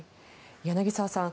柳澤さん